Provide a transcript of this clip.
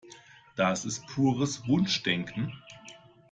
Das ist pures Wunschdenken.